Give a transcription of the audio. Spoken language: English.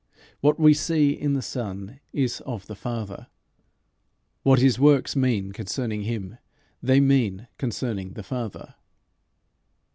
What we see in the Son is of the Father. What his works mean concerning him, they mean concerning the Father.